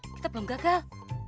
kita belum gagal